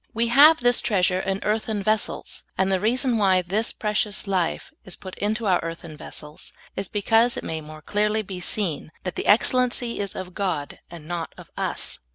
" We have this treasure in earthen vessels," and the reason why this precious life is put into our earthen vessels is because it may more clearly be seen "that the excellency is of God," and not of us.